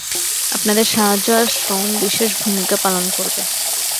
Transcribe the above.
আপনাদের সাহায্য আর শ্রম বিশেষ ভূমিকা পালন করবে।